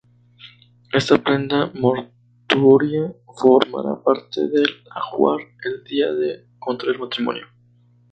Esta prenda mortuoria formará parte del ajuar el día de contraer matrimonio.